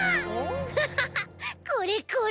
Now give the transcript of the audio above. フハハこれこれ。